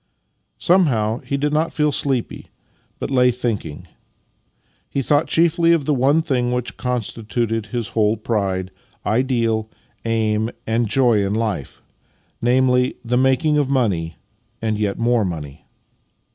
Somehow he did not feel sleepy, but lay thinking. He thought chiefly of the one thing which constituted his whole pride, ideal, aim and joy in life — namely, the making of money, and yet more money.